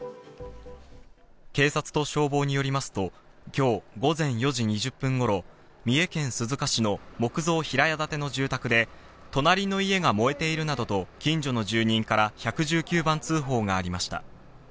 警察と消防によりますと、今日午前４時２０分頃、三重県鈴鹿市の木造平屋建ての住宅で隣の家が燃えているなどと近所の住人から１１９番通報がありました。